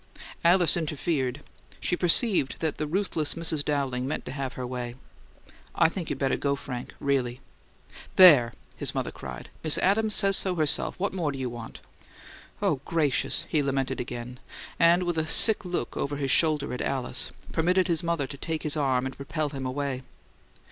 Alice interfered; she perceived that the ruthless Mrs. Dowling meant to have her way. "I think you'd better go, Frank. Really." "There!" his mother cried. "Miss Adams says so, herself! What more do you want?" "Oh, gracious!" he lamented again, and, with a sick look over his shoulder at Alice, permitted his mother to take his arm and propel him away.